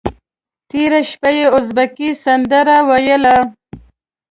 تېره شپه یې ازبکي سندره وویله.